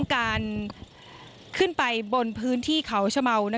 การขึ้นไปบนพื้นที่เขาชะเมา